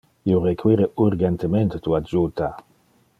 Io require urgentemente tu adjuta.